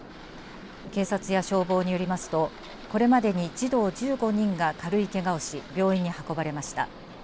警察や消防によりますとこれまでに児童１５人が軽いけがをし病院に運ばれました。